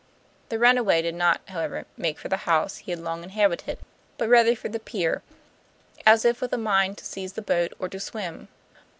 The runaway did not, however, make for the house he had long inhabited, but rather for the pier, as if with a mind to seize the boat or to swim.